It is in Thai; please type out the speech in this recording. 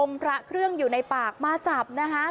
พระเครื่องอยู่ในปากมาจับนะคะ